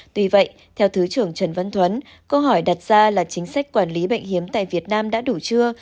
tuy vậy theo thứ trưởng trần văn thuấn câu hỏi đặt ra là chính sách quản lý bệnh hiếm tại việt nam đã đủ chưa